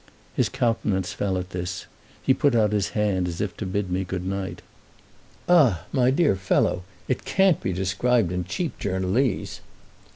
His countenance fell at this—he put out his hand as if to bid me good night. "Ah my dear fellow, it can't be described in cheap journalese!"